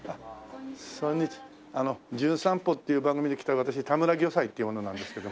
あの『じゅん散歩』っていう番組で来た私田村魚菜っていう者なんですけど。